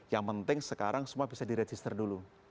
yang penting sekarang semua bisa diregister dulu